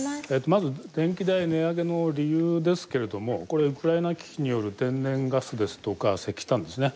まず電気代値上げの理由ですけれどもこれウクライナ危機による天然ガスですとか石炭ですね